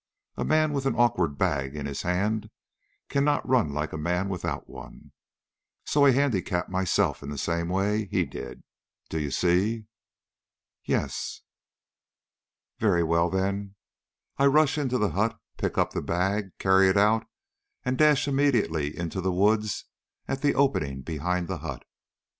A man with an awkward bag in his hand cannot run like a man without one. So I handicap myself in the same way he did, do you see?" "Yes." "Very well, then; I rush into the hut, pick up the bag, carry it out, and dash immediately into the woods at the opening behind the hut.